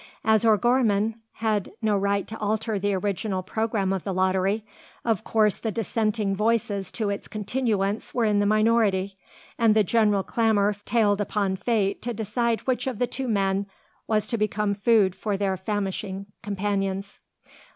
As O'Gorman had no right to alter the original programme of the lottery, of course the dissenting voices to its continuance were in the minority; and the general clamour tailed upon fate to decide which of the two men was to become food for their famishing companions.